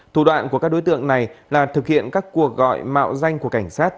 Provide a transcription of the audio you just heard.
thủ đoạn của các đối tượng này là thực hiện các cuộc gọi mạo danh của cảnh sát